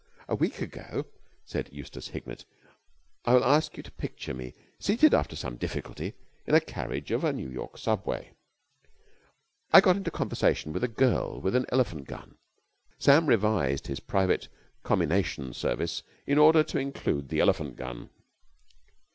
"A week ago," said Eustace Hignett, "I will ask you to picture me seated after some difficulty in a carriage in a New York subway; I got into conversation with a girl with an elephant gun." Sam revised his private commination service in order to include the elephant gun.